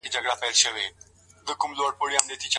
که مو روژه وه د ميلمستيا پر مهال بايد څه وکړئ؟